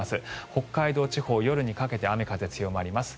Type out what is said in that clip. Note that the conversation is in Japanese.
北海道地方、夜にかけて雨、風が強まります。